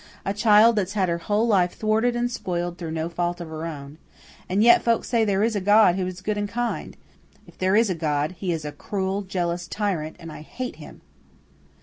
"A child that's had her whole life thwarted and spoiled through no fault of her own. And yet folks say there is a God who is kind and good! If there is a God, he is a cruel, jealous tyrant, and I hate Him!"